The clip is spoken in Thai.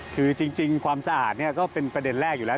คือจริงความสะอาดก็เป็นประเด็นแรกอยู่แล้ว